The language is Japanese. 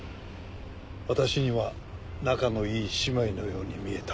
私には仲のいい姉妹のように見えた。